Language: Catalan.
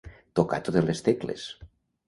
Tocar totes les tecles.